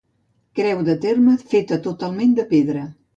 Creu de terme feta totalment de pedra.